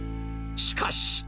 しかし。